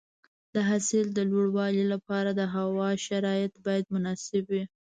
د حاصل د لوړوالي لپاره د هوا شرایط باید مناسب وي.